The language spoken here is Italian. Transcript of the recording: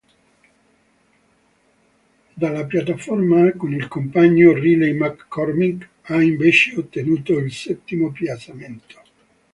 Dalla piattaforma, con il compagno Riley McCormick ha invece ottenuto il settimo piazzamento.